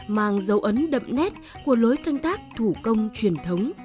mang dấu ấn đậm nét của lối canh tác thủ công truyền thống